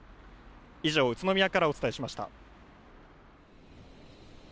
以上、宇都宮からお伝えしました。